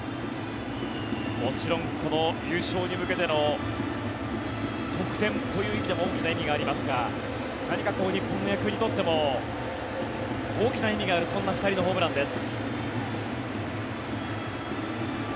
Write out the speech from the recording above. もちろん優勝に向けての得点という意味でも大きな意味がありますが何か日本の野球にとっても大きな意味があるそんな２人のホームランです。